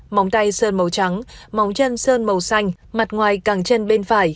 móng tay sơn màu trắng móng chân sơn màu xanh mặt ngoài càng chân bên phải